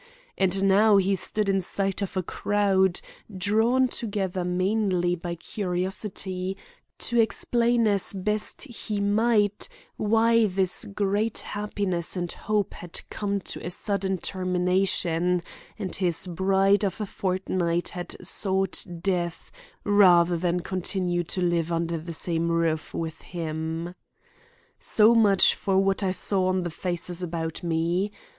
And now he stood in sight of a crowd, drawn together mainly by curiosity, to explain as best he might why this great happiness and hope had come to a sudden termination, and his bride of a fortnight had sought death rather than continue to live under the same roof with him. So much for what I saw on the faces about me.